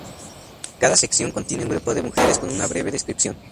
Cada sección contiene un grupo de mujeres con una breve descripción.